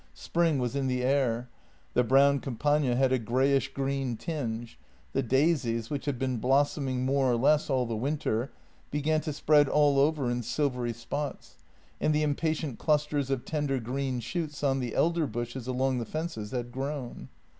Spring was in the air, the brown Campagna had a greyish green tinge; the daisies, which had been blos soming more or less all the winter, began to spread all over in silvery spots, and the impatient clusters of tender green shoots on the elder bushes along the fences had grown.